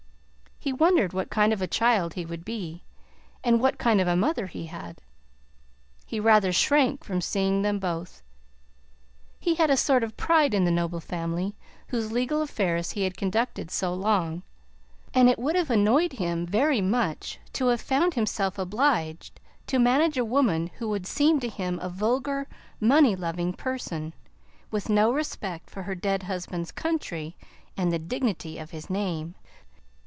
He wondered what kind of a child he would be, and what kind of a mother he had. He rather shrank from seeing them both. He had a sort of pride in the noble family whose legal affairs he had conducted so long, and it would have annoyed him very much to have found himself obliged to manage a woman who would seem to him a vulgar, money loving person, with no respect for her dead husband's country and the dignity of his name.